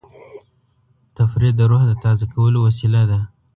تفریح د روح د تازه کولو وسیله ده.